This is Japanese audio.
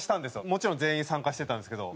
もちろん全員参加してたんですけど。